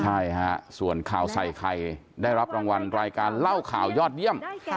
ใช่ฮะส่วนข่าวใส่ไข่ได้รับรางวัลรายการเล่าข่าวยอดเยี่ยม